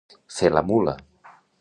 Fer la mula.